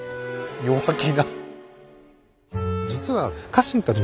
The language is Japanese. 弱気な。